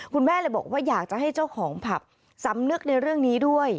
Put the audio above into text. คุณแม่เลยบอกว่าอยากจะให้เจ้าของผับสำนึกในเรื่องนี้ด้วย